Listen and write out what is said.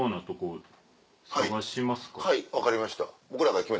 はい分かりました